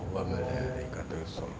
masya allah bangga sekali